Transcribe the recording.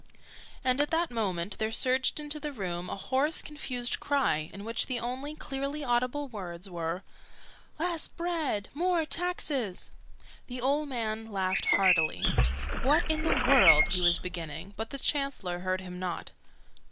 And at that moment there surged into the room a hoarse confused cry, in which the only clearly audible words were "Less bread More taxes!" The old man laughed heartily. "What in the world " he was beginning: but the Chancellor heard him not.